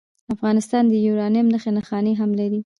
افغانستان د یورانیم نښې نښانې هم لري.